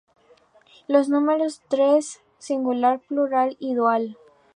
Los números son tres: singular, plural y dual.